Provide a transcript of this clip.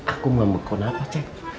aku ngambekkan apa ceng